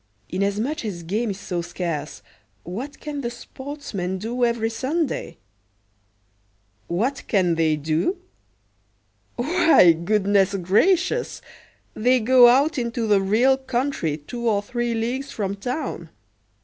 Inasmuch as game is so scarce, what can the sportsmen do every Sunday? What can they do? Why, goodness gracious! they go out into the real country two or three leagues from town.